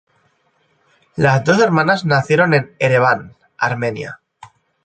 Las dos hermanas nacieron en Ereván, Armenia.